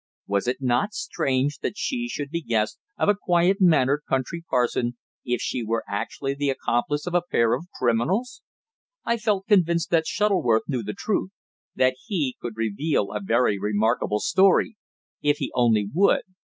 Was it not strange that she should be guest of a quiet mannered country parson, if she were actually the accomplice of a pair of criminals! I felt convinced that Shuttleworth knew the truth that he could reveal a very remarkable story if he only would.